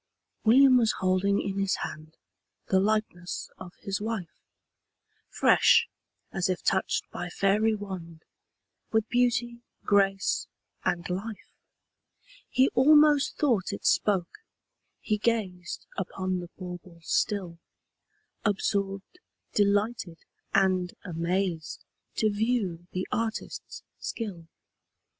William was holding in his hand The likeness of his wife! Fresh, as if touched by fairy wand, With beauty, grace, and life. He almost thought it spoke: he gazed Upon the bauble still, Absorbed, delighted, and amazed, To view the artist's skill.